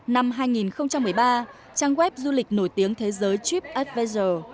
năm hai nghìn một mươi ba trang web du lịch nổi tiếng thế giới tripadvisor